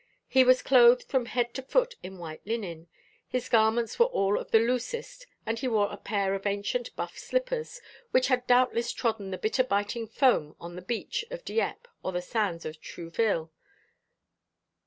He was clothed from head to foot in white linen; his garments were all of the loosest, and he wore a pair of ancient buff slippers, which had doubtless trodden the bitter biting foam on the beach of Dieppe or the sands of Trouville.